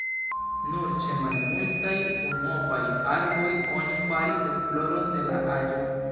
Nur ĉe malmultaj unuopaj arboj oni faris esploron de la aĝon.